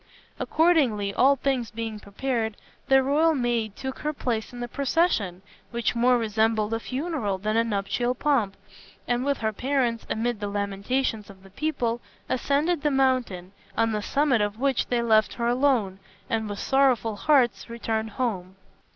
Accordingly, all things being prepared, the royal maid took her place in the procession, which more resembled a funeral than a nuptial pomp, and with her parents, amid the lamentations of the people, ascended the mountain, on the summit of which they left her alone, and with sorrowful hearts returned home.